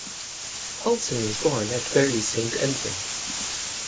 Poulson was born at Bury St Edmunds.